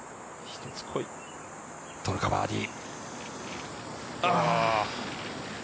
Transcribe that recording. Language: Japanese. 取るか、バーディー。